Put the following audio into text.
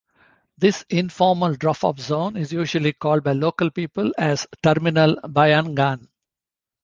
This informal drop-off zone is usually called by local people as "terminal bayangan".